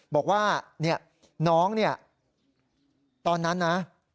บอกว่าน้องตอนนั้นนะ